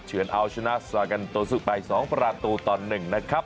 เฉือนเอาชนะสวัสดิ์กันตัวสู้ไป๒ประตูตอนหนึ่งนะครับ